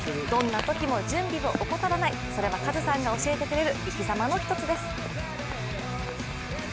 どんなときも、準備を怠らないそれはカズさんが教えてくれる生きざまの一つです。